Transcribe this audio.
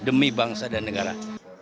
demi bangsa dan negara